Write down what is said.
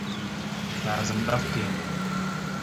Nazam ɗaf te.